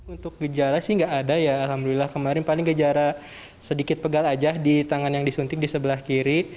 untuk gejala sih nggak ada ya alhamdulillah kemarin paling gejala sedikit pegal aja di tangan yang disuntik di sebelah kiri